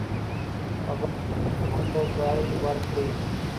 په بس کې مشرانو ته ځای ورکړئ.